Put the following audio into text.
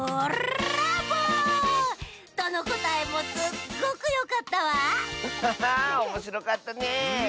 ハハーッおもしろかったねえ。